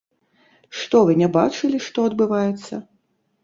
Што вы, не бачылі, што адбываецца?